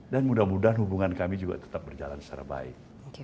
mudah mudahan hubungan kami juga tetap berjalan secara baik